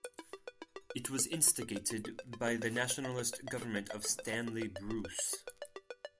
It was instigated by the Nationalist Government of Stanley Bruce.